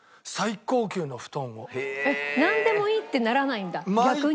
なんでもいいってならないんだ逆に。